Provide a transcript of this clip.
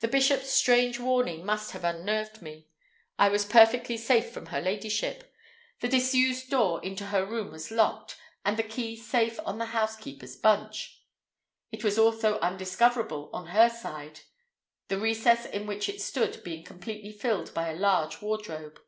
The bishop's strange warning must have unnerved me. I was perfectly safe from her ladyship. The disused door into her room was locked, and the key safe on the housekeeper's bunch. It was also undiscoverable on her side, the recess in which it stood being completely filled by a large wardrobe.